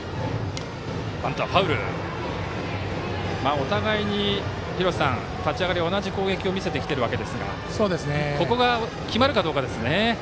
お互いに立ち上がりは同じ攻撃を見せてきているわけですがここが決まるかどうかですね。